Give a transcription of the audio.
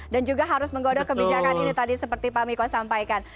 dan juga harus menggodok kebijakan ini tadi seperti pak mikon sampaikan